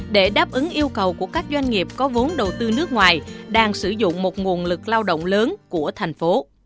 để đáp ứng yêu cầu của các doanh nghiệp có vốn đầu tư nước ngoài đang sử dụng một nguồn lực lao động lớn của thành phố